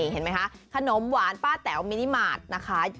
เห็นไหมคะขนมหวานป้าแต๋วมินิมาตรนะคะ